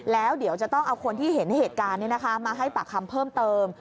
แล้วเดี๋ยวจะต้องเอาคนที่เห็นเหตุการณ์มาให้ปากคำเพิ่มเติม